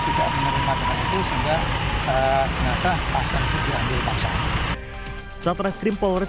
tidak menerima dengan itu sehingga jenazah pasien itu diambil paksa saat reskrim polres